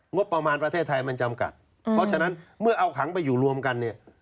งบประมาณประเทศไทยมันจำกัดเพราะฉะนั้นเมื่อเอาขังไปอยู่รวมกันเนี่ย